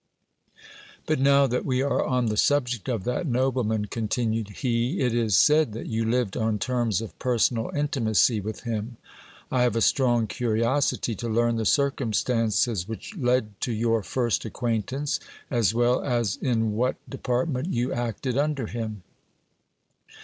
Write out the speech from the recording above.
But now that we are on the subject of that nobleman, continued he, it is said that you lived on terms of personal intimacy with him. I have a strong curiosity to learn the circumstances which led to your first acquaintance, as well as in what department you acted under him.